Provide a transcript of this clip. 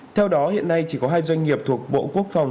theo đó hiện nay chỉ có hai doanh nghiệp thuộc bộ quốc phòng